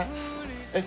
えっ？